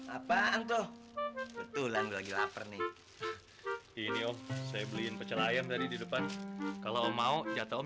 apa antoh betulan lagi lapar nih ini oh saya beliin pecel ayam tadi di depan kalau mau jatuh om